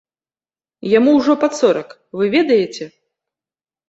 Яму ўжо пад сорак, вы ведаеце?